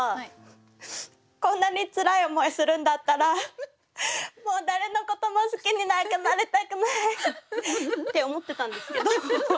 「こんなにツラい思いするんだったらもう誰のことも好きになんかなりたくない！」って思ってたんですけど。